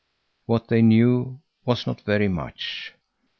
What they knew was not very much.